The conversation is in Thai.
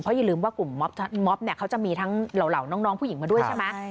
เพราะอย่าลืมว่ากลุ่มม็อบม็อบเนี้ยเขาจะมีทั้งเหล่าเหล่าน้องน้องผู้หญิงมาด้วยใช่ไหมใช่